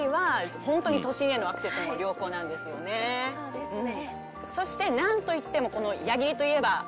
そうですね。